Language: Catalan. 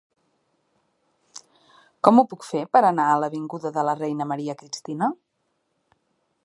Com ho puc fer per anar a l'avinguda de la Reina Maria Cristina?